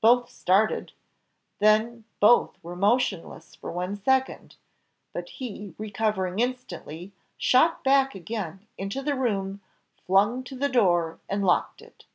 Both started then both were motionless for one second but he, recovering instantly, shot back again into the room, flung to the door, and locked it.